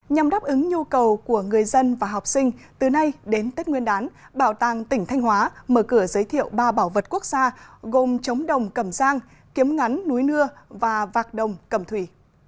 nhằm đáp ứng nhu cầu của người dân và học sinh từ nay đến tết nguyên đán bảo tàng tỉnh thanh hóa mở cửa giới thiệu ba bảo vật quốc gia gồm trống đồng cầm giang kiếm ngắn núi nưa và vạc đồng cầm thủy